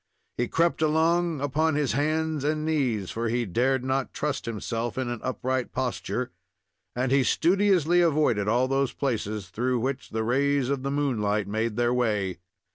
He crept along upon his hands and knees, for he dared not trust himself in an upright posture, and he studiously avoided all those places through which the rays of the moonlight made their way.